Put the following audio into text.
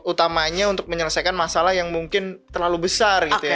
utamanya untuk menyelesaikan masalah yang mungkin terlalu besar gitu ya